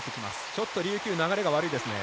ちょっと琉球流れが悪いですね。